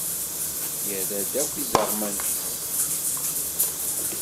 Yerra-d akk iẓerman-is.